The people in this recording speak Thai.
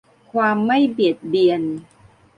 ความไม่เบียดเบียน